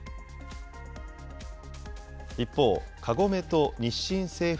一方、カゴメと日清製粉